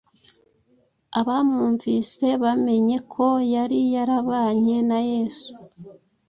Abamwumvise bamenye ko yari yarabanye na Yesu.